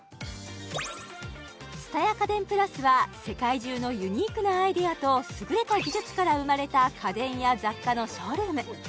蔦屋家電＋は世界中のユニークなアイデアと優れた技術から生まれた家電や雑貨のショールーム